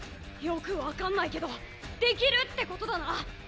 よく分かんないけどできるってことだな。